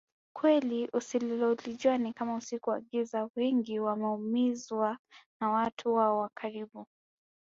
Kweli usilolijua Ni Kama usiku wa Giza wengi wameumizwa na watu wao wa karibu